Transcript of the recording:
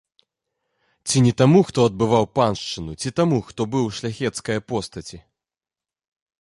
Ці не таму, хто адбываў паншчыну, ці таму, хто быў у шляхецкае постаці?